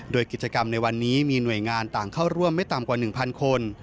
โดยกิจกรรมในวันนี้มีหน่วยงานต่างเข้าร่วมไม่ต่ำกว่า๑๐๐คน